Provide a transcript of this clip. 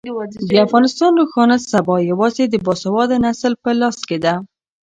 د افغانستان روښانه سبا یوازې د باسواده نسل په لاس کې ده.